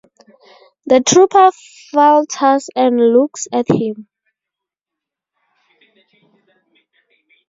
The trooper falters and looks at him.